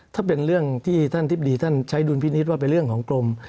ถ้าเป็นเรื่องที่ท่านทิบดีท่านใช้ดุลพินิษฐ์ว่าเป็นเรื่องของกรม